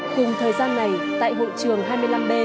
cùng thời gian này tại hội trường hai mươi năm b